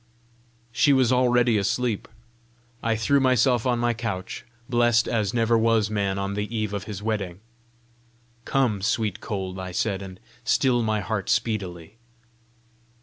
She was already asleep. I threw myself on my couch blessed as never was man on the eve of his wedding. "Come, sweet cold," I said, "and still my heart speedily."